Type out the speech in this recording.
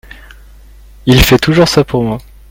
Il fait toujours ça pour moi.